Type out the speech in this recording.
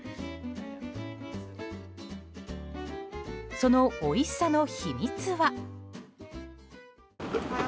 そのおいしさの秘密は。